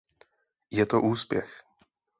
Je to úspěch.